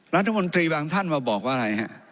รัฐมนตรีบางท่านมาบอกว่าอะไรฮะ